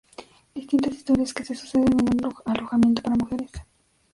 Distintas historias que se suceden en un alojamiento para mujeres.